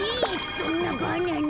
そんなバナナ。